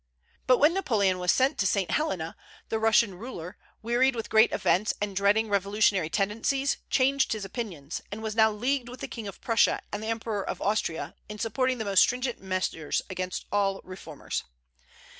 but when Napoleon was sent to St. Helena, the Russian ruler, wearied with great events and dreading revolutionary tendencies, changed his opinions, and was now leagued with the King of Prussia and the Emperor of Austria in supporting the most stringent measures against all reformers.